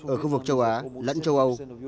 ở khu vực châu á lẫn châu âu